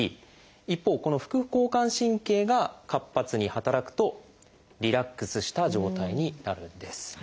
一方この副交感神経が活発に働くとリラックスした状態になるんです。